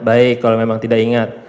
baik kalau memang tidak ingat